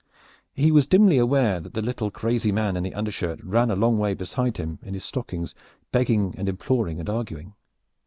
He was dimly aware that the little crazy man in the undershirt ran a long way beside him in his stockings, begging, imploring and arguing.